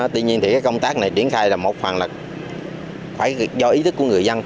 tuy nhiên thì công tác này triển khai là một phần là phải do ý thức của người dân